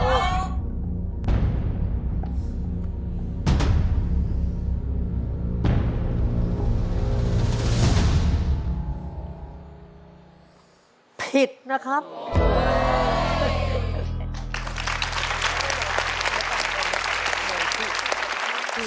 โอ้โฮ